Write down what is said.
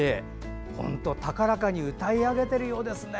本当高らかに歌い上げてるようですね。